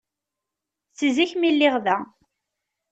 Si zik mi lliɣ da.